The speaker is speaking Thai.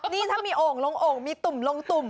นี่ถ้ามีโอ่งลงโอ่งมีตุ่มลงตุ่ม